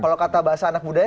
kalau kata bahasa anak mudanya